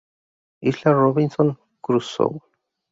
Isla Robinson Crusoe.